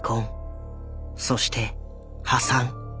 そして破産。